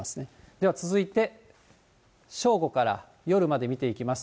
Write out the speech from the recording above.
では続いて、正午から夜まで見ていきます。